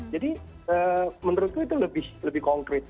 jadi menurutku itu lebih konkret